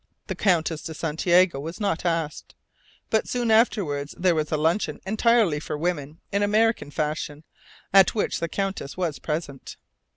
The Countess de Santiago was not asked; but soon afterward there was a luncheon entirely for women, in American fashion, at which the Countess was present.